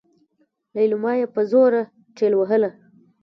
ليلما يې په زوره ټېلوهله.